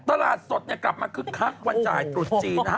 ตลาดสดเนี่ยกลับมาคึกคักวันจ่ายตรุษจีนนะฮะ